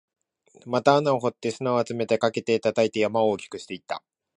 また穴を掘って、砂を集めて、かけて、叩いて、山を大きくしていった